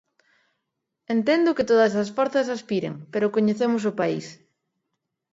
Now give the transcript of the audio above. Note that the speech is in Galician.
Entendo que todas as forzas aspiren, pero coñecemos o país.